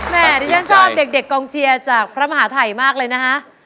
ดิฉันชอบเด็กกองเชียร์จากพระมหาทัยมากเลยนะฮะ